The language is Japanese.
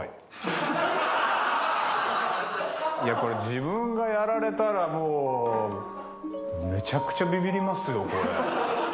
自分がやられたらもうめちゃくちゃビビりますよこれ。